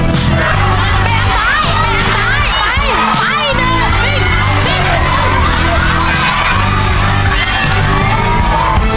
เปลี่ยนตายเปลี่ยนตายไปไปเดินฟิ้นฟิ้นน์